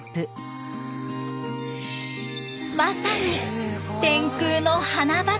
まさに天空の花畑！